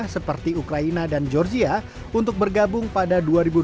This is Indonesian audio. seperti ukraina dan georgia untuk bergabung pada dua ribu dua puluh